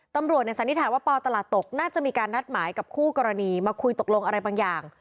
สันนิษฐานว่าปตลาดตกน่าจะมีการนัดหมายกับคู่กรณีมาคุยตกลงอะไรบางอย่าง